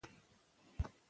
ژبه د تربيي وسیله ده.